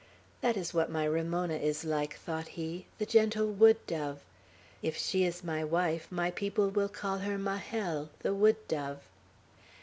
"That is what my Ramona is like," thought he, "the gentle wood dove. If she is my wife my people will call her Majel, the Wood Dove."